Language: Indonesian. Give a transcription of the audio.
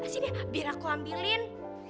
sini biar aku ambilin